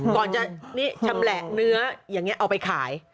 ก่อนจะนี่ชำแหละเนื้ออย่างนี้เอาไปขาย